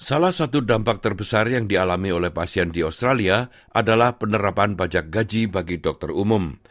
salah satu dampak terbesar yang dialami oleh pasien di australia adalah penerapan pajak gaji bagi dokter umum